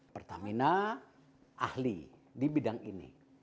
pertamina ahli di bidang ini